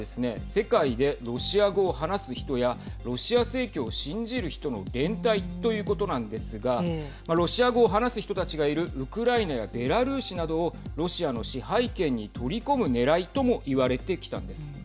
世界でロシア語を話す人やロシア正教を信じる人の連帯ということなんですがロシア語を話す人たちがいるウクライナやベラルーシなどをロシアの支配権に取り込むねらいとも言われてきたんです。